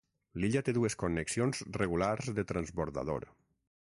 L'illa té dues connexions regulars de transbordador.